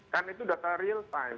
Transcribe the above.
karena itu data real time